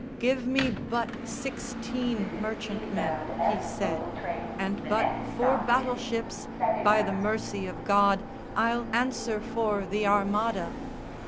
"Give me but sixteen merchantmen," he said, "And but four battleships, by the mercy of God, I'll answer for the Armada!"